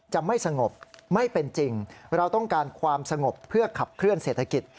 จะไม่สงบไม่เป็นจริงเราต้องการความสงบเพื่อขับเคลื่อนเศรษฐกิจ